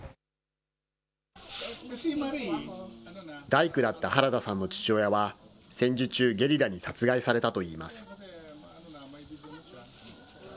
大工だったハラダさんの父親は、戦時中、ゲリラに殺害されたといいます。